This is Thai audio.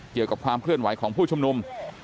เกี่ยวกับความเคลื่อนไหวของผู้ชุมนุม